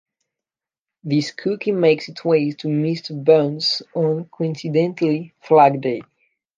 This cookie makes its way to Mr. Burns on, coincidentally, Flag Day.